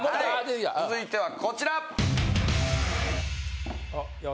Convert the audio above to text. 続いてはこちら！